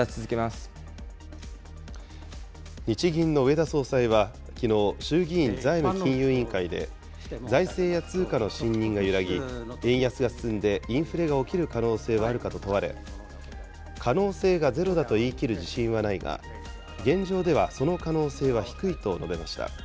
日銀の植田総裁はきのう、衆議院財務金融委員会で、財政や通貨の信認が揺らぎ、円安が進んでインフレが起きる可能性はあるかと問われ、可能性がゼロだと言い切る自信はないが、現状ではその可能性は低いと述べました。